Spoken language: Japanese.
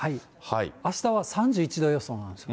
あしたは３１度予想なんですよ。